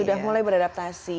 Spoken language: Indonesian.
sudah mulai beradaptasi